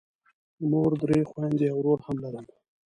مور، درې خویندې او ورور هم لرم.